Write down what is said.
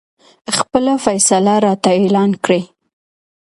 خپله فیصله راته اعلان کړي.